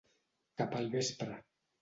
Cap al vespre.